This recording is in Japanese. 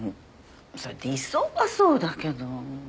そりゃ理想はそうだけど。